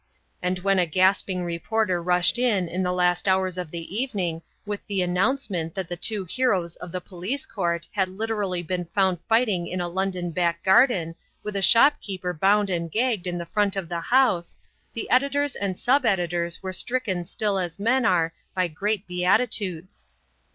And when a gasping reporter rushed in in the last hours of the evening with the announcement that the two heroes of the Police Court had literally been found fighting in a London back garden, with a shopkeeper bound and gagged in the front of the house, the editors and sub editors were stricken still as men are by great beatitudes.